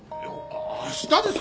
明日ですか！？